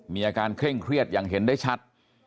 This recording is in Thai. มีอาการเคร่งเครียดอย่างเห็นได้ชัด